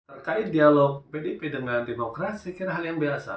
terkait dialog pdp dengan demokrasi kira hal yang biasa